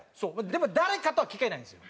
でも誰かとは聞けないんですよ。